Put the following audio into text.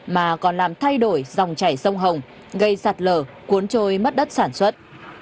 mà còn làm thay đổi dòng chảy sông hồng gây sạt lở cuốn trôi mất đất sản xuất